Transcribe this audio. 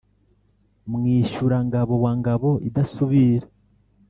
mwishyura-ngabo wa ngabo idasubira